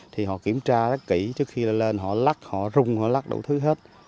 thì họ kiểm tra rất kỹ trước khi lên họ lắc họ rung họ lắc đủ thứ hết